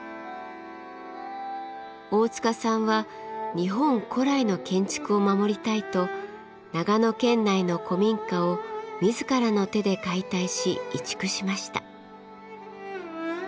大塚さんは日本古来の建築を守りたいと長野県内の古民家を自らの手で解体し移築しました。